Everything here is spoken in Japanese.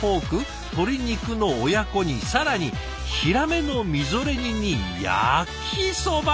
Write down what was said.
鶏肉の親子煮更にひらめのみぞれ煮に焼きそば！